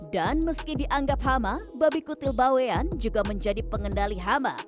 dan meski dianggap hama babi kutil bawean juga menjadi pengendali hama